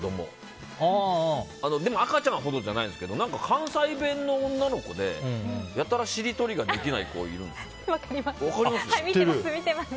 でも、赤ちゃんほどじゃないんですけど何か関西弁の女の子でやたらしりとりができない子が分かります。